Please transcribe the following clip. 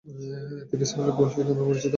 তিনি Samuel Goldfish নামেও পরিচিত।